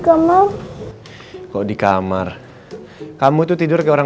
kamu kok dikamar kamu tidur ke orang